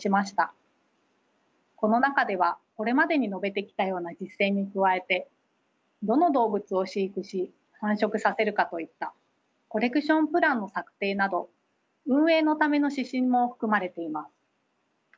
この中ではこれまでに述べてきたような実践に加えてどの動物を飼育し繁殖させるかといったコレクションプランの策定など運営のための指針も含まれています。